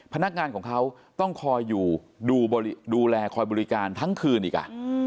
พนักงานของเขาต้องคอยอยู่ดูแลคอยบริการทั้งคืนอีก